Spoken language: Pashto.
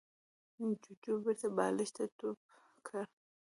جوجو بېرته بالښت ته ټوپ کړ.